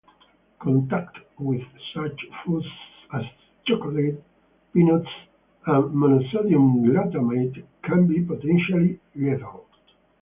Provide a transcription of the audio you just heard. Contact with such foods as chocolate, peanuts, and Monosodium glutamate can be potentially lethal.